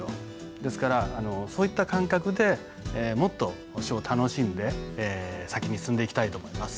ですからそういった感覚でもっと書を楽しんで先に進んでいきたいと思います。